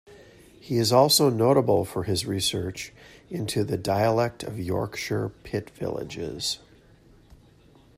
He is also notable for his research into the dialect of Yorkshire pit villages.